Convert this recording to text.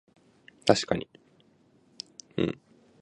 自己自身によって自己否定はできない。